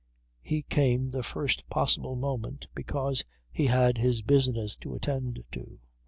He came the first possible moment because he had his business to attend to.